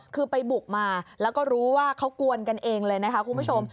คือไปบุกมาแล้วก็รู้ว่าเขากวนกันเองเลยนะคะคุณผู้ชม